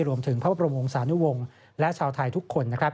รวมถึงพระบบรมองค์สานุวงศ์และชาวไทยทุกคน